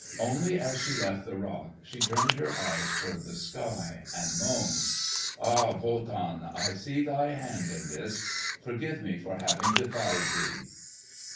Only as she left the rock, she turned her eyes toward the sky, and moaned. "Ah, Wotan! I see thy hand in this! Forgive me for having defied thee!"